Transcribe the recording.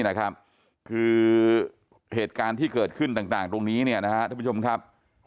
นะครับคือเหตุการณ์ที่เกิดขึ้นต่างตรงนี้นะครับทุกคน